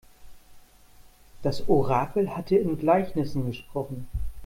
Das Orakel hatte in Gleichnissen gesprochen.